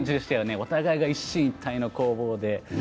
お互いが一進一退の攻防で。